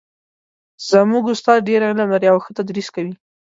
زموږ استاد ډېر علم لري او ښه تدریس کوي